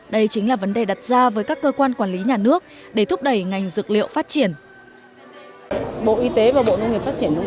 đây chính là vấn đề đặt ra với các cơ quan quản lý nhà nước để thúc đẩy ngành dược liệu phát triển